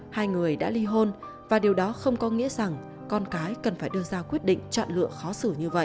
hai người đã ly hôn và điều đó không có nghĩa rằng con cái cần phải đưa ra quyết định chọn lựa khó xử như vậy